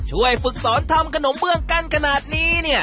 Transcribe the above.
ฝึกสอนทำขนมเบื้องกันขนาดนี้เนี่ย